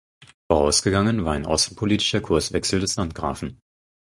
Vorausgegangen war ein außenpolitischer Kurswechsel des Landgrafen.